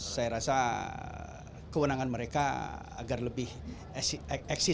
saya rasa kewenangan mereka agar lebih eksis